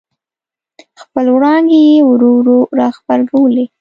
خپلې وړانګې یې ورو ورو را غبرګولې.